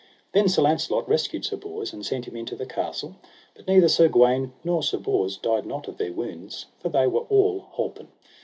Then Sir Launcelot rescued Sir Bors, and sent him into the castle; but neither Sir Gawaine nor Sir Bors died not of their wounds, for they were all holpen.